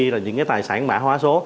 là những cái tài sản mạ hóa số